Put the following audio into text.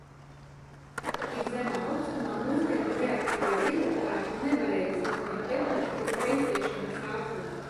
Tik zemā augstumā mūsdienu reaktīvie lidaparāti nevarēja sasniegt efektīvu kreisēšanas ātrumu.